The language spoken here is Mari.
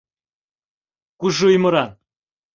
Кужу ӱмыран!